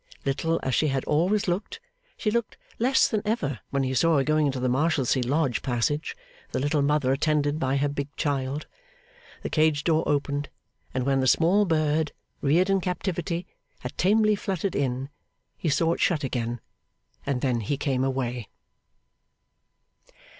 Little as she had always looked, she looked less than ever when he saw her going into the Marshalsea lodge passage, the little mother attended by her big child. The cage door opened, and when the small bird, reared in captivity, had tamely fluttered in, he saw it shut again; and then he came away.